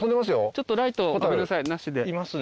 ちょっとライトをごめんなさいなしで。